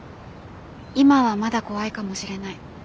今はまだ怖いかもしれない。